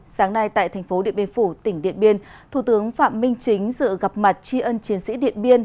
sáng nay tại thành phố điện biên phủ tỉnh điện biên thủ tướng phạm minh chính dự gặp mặt tri ân chiến sĩ điện biên